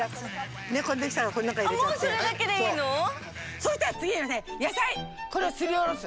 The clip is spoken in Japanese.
そしたらつぎはね野菜これをすりおろす。